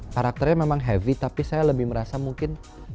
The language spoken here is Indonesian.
karakternya memang heavy tapi saya lebih merasa mungkin